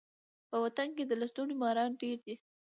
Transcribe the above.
په وطن کي د لستوڼي ماران ډیر دي.